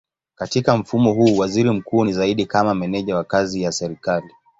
Katika mfumo huu waziri mkuu ni zaidi kama meneja wa kazi ya serikali.